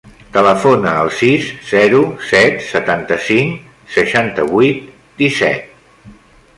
Telefona al sis, zero, set, setanta-cinc, seixanta-vuit, disset.